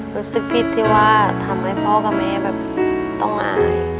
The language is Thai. รู้สึกผิดที่ว่าทำให้พ่อกับแม่แบบต้องอาย